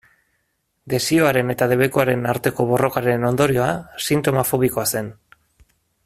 Desioaren eta debekuaren arteko borrokaren ondorioa sintoma fobikoa zen.